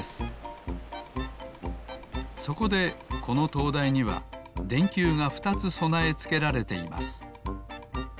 そこでこのとうだいにはでんきゅうが２つそなえつけられています。